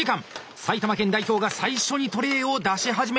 埼玉県代表が最初にトレーを出し始めました。